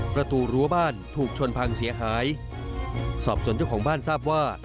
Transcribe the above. ประตูรั้วบ้านถูกชนพังเสียหายสอบส่วนเจ้าของบ้านทราบว่า